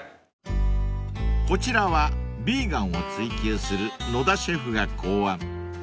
［こちらはヴィーガンを追求する能田シェフが考案］